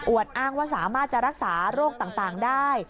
อ้างว่าสามารถจะรักษาโรคต่างได้